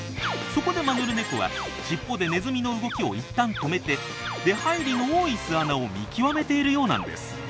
そこでマヌルネコはしっぽでネズミの動きをいったん止めて出はいりの多い巣穴を見極めているようなんです。